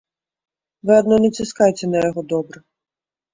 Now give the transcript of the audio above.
Вы адно націскайце на яго добра.